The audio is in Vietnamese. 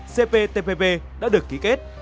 cptpp đã được ký kết